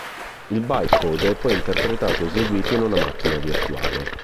Il bytecode è poi interpretato o eseguito in una macchina virtuale.